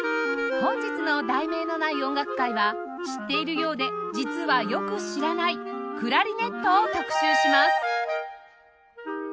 本日の『題名のない音楽会』は知っているようで実はよく知らないクラリネットを特集します